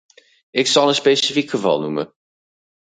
Ik zal een specifiek geval noemen.